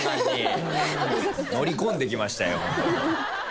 乗り込んできましたよ。